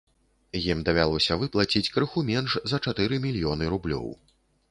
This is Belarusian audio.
Ім давялося выплаціць крыху менш за чатыры мільёны рублёў.